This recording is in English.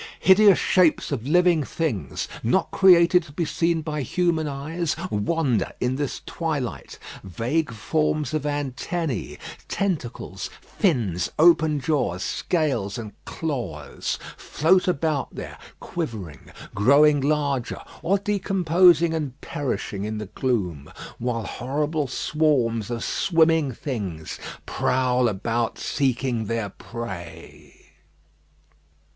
Hideous shapes of living things, not created to be seen by human eyes, wander in this twilight. Vague forms of antennæ, tentacles, fins, open jaws, scales, and claws, float about there, quivering, growing larger, or decomposing and perishing in the gloom, while horrible swarms of swimming things prowl about seeking their prey.